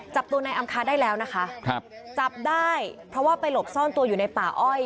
จับตัวนายอำคาได้แล้วนะคะครับจับได้เพราะว่าไปหลบซ่อนตัวอยู่ในป่าอ้อย